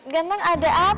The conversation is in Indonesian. ganteng ada apa